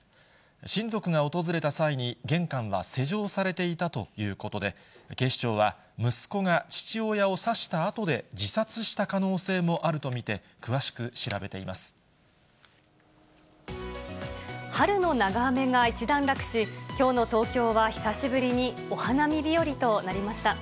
親族が訪れた際に、玄関は施錠されていたということで、警視庁は息子が父親を刺したあとで自殺した可能性もあると見て、春の長雨が一段落し、きょうの東京は久しぶりにお花見日和となりました。